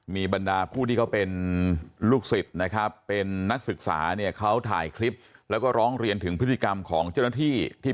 มีบรรดาผู้ที่เขาเป็นลูกศิษย์นะครับเป็นนักศึกษาเนี่ยเขาถ่ายคลิปแล้วก็ร้องเรียนถึงพฤติกรรมของเจ้าหน้าที่ที่